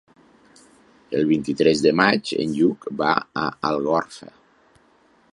El vint-i-tres de maig en Lluc va a Algorfa.